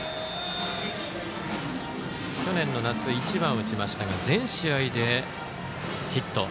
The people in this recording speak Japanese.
去年の夏１番を打ちましたが全試合でヒット。